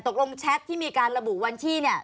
แชทที่มีการระบุวันที่เนี่ย